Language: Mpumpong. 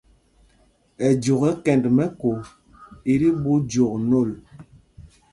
Ɛjok ɛ́ kɛnd mɛ̄ko i ti ɓu jɔk nôl.